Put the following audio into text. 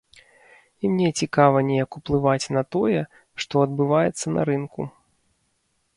І мне цікава неяк уплываць на тое, што адбываецца на рынку.